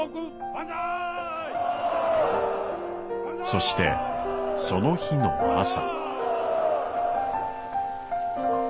そしてその日の朝。